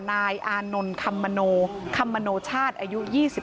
นายอานนท์คำมโนคำมโนชาติอายุ๒๓